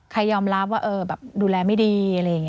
ใครยอมรับว่าเออแบบดูแลไม่ดีอะไรอย่างนี้ค่ะ